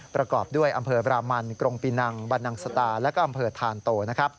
ประกอบด้วยอำเภอบรามันกรงปินังบรรนังสตาและอำเภอธานโต